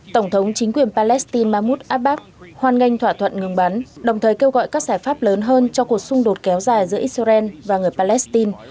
tổng thống chính quyền palestine mahmoud abbas hoan nghênh thỏa thuận ngừng bắn đồng thời kêu gọi các giải pháp lớn hơn cho cuộc xung đột kéo dài giữa israel và người palestine